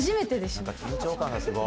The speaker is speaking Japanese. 「なんか緊張感がすごい」。